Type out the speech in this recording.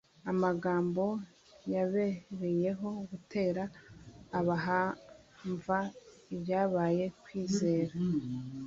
amagambo yabereyeho gutera abahamva b'ibyabaye kwizera,